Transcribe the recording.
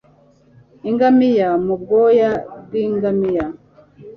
ingamiya mu bwoya bw ingamiya